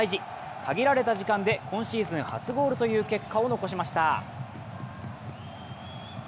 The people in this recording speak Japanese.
限られた時間で今シーズン初ゴールという結果を残しました。